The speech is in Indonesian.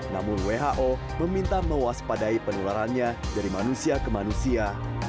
namun who meminta mewaspadai penularannya dari manusia ke manusia